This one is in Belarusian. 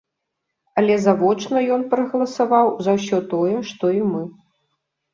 Але завочна ён прагаласаваў за ўсё тое, што і мы.